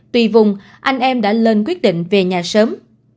tùy vùng anh em đã lên quyết định về nhà sớm